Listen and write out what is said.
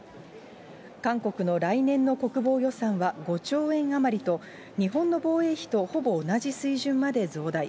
韓国の来年の国防予算は５兆円余りと、日本の防衛費とほぼ同じ水準まで増大。